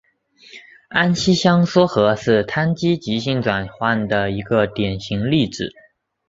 安息香缩合是羰基极性转换的一个典型例子。